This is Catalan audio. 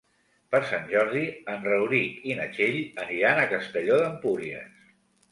Per Sant Jordi en Rauric i na Txell aniran a Castelló d'Empúries.